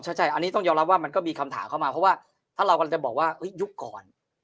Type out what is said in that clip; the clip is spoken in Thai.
ใช่อันนี้ต้องยอมรับว่ามันก็มีคำถามเข้ามาเพราะว่าถ้าเรากำลังจะบอกว่ายุคก่อน